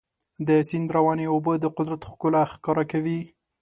د سیند روانې اوبه د قدرت ښکلا ښکاره کوي.